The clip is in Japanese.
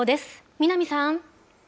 南さん。